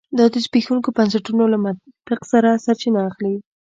دا د زبېښونکو بنسټونو له منطق څخه سرچینه اخلي